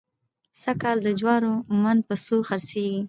سږکال د جوارو من په څو خرڅېږي؟